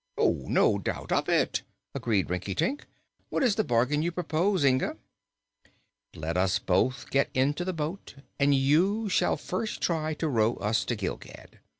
"No doubt of it," agreed Rinkitink. "What is the bargain you propose, Inga?" "Let us both get into the boat, and you shall first try to row us to Gilgad.